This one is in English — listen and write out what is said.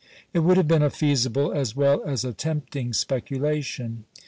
It would have been a feasible, as well as a tempting specula tion.